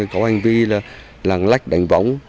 có hành vi là lạng lách đánh võng